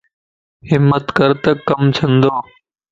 ھمت ڪرتَ ڪم چھندو